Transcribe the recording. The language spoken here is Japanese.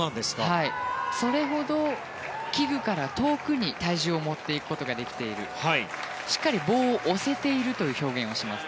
それほど器具から遠くに、体重を持っていくことができているしっかり棒を押せているという表現をします。